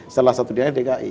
setelah satu di antara dki